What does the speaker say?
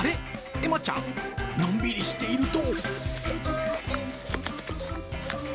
エマちゃん？のんびりしていると。